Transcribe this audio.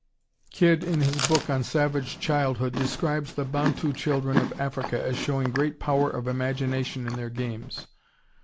] "Kidd in his book on 'Savage Childhood' describes the Bantu children of Africa as showing great power of imagination in their games.